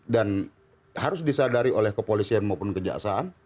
dan harus disadari oleh kepolisian maupun kejaksaan